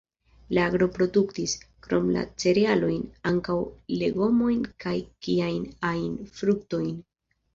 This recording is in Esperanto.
La agro produktis, krom la cerealojn, ankaŭ legomojn kaj kiajn ajn fruktojn.